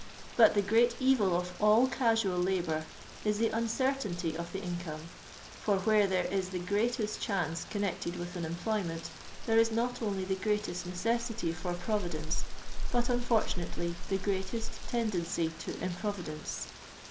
But the great evil of all casual labour is the uncertainty of the income — for where there is the greatest chance connected with an em ployment, there is not only the greatest necessity for providence, but unfortunately the greatest ten dency to improvidence.